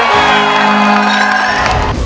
ก็มี